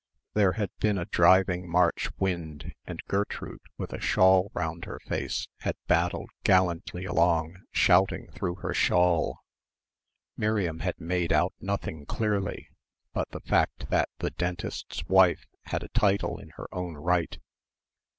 There had been a driving March wind and Gertrude with a shawl round her face had battled gallantly along shouting through her shawl. Miriam had made out nothing clearly, but the fact that the dentist's wife had a title in her own right.